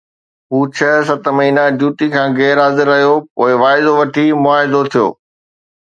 هو ڇهه ست مهينا ڊيوٽي کان غير حاضر رهيو، پوءِ واعدو وٺي معاهدو ٿيو.